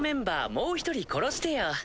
もう一人殺してよ。